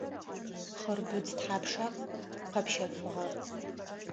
Хъырбыдз тхьапша къэпщэфыгъэр?